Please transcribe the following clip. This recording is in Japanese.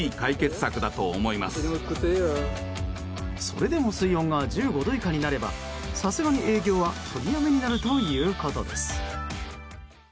それでも水温が１５度以下になればさすがに営業は取りやめになるということです。